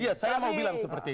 iya saya mau bilang seperti itu